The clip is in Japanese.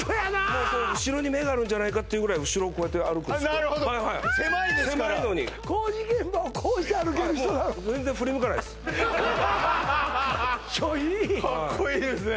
もうこう後ろに目があるんじゃないかっていうぐらい後ろをこうやって歩くあっなるほど狭いですからはいはい狭いのに工事現場をこうして歩ける人なのもう全然振り向かないですかっちょいいかっこいいですね